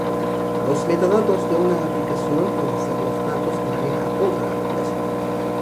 Los metadatos de una aplicación pueden ser los datos que maneja otra aplicación.